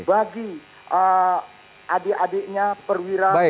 bagi adik adiknya perwira